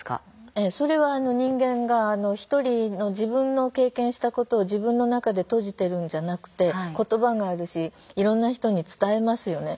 ええそれは人間が一人の自分の経験したことを自分の中で閉じてるんじゃなくて言葉があるしいろんな人に伝えますよね。